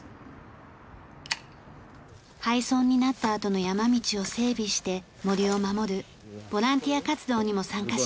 廃村になったあとの山道を整備して森を守るボランティア活動にも参加しています。